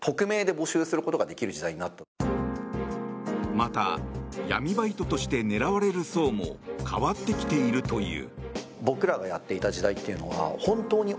また闇バイトとして狙われる層も変わってきているという。